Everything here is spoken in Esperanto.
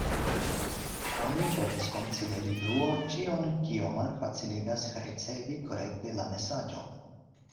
Oni povus konsideri bruo ĉion kio malfaciligas ricevi korekte la mesaĝon.